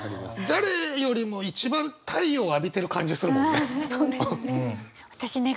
誰よりも一番太陽浴びてる感じするもんね。